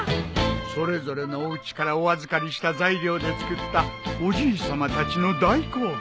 それぞれのおうちからお預かりした材料で作ったおじいさまたちの大好物。